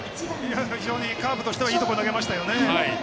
非常にカーブとしてはいいところに投げましたね。